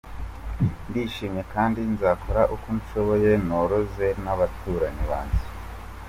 Ndishimye kandi nzakora uko nshoboye noroze n’abaturanyi banjye.